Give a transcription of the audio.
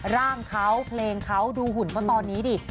ร่างเขาเพลงเขาดูหุ่นเขาตอนนี้ดิ